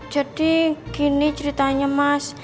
jadi gini ceritanya mas